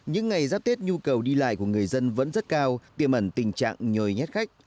những ngày giáp tết nhu cầu đi lại của người dân vẫn rất cao tiềm ẩn tình trạng nhồi nhét khách